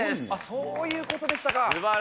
そういうことでしたか。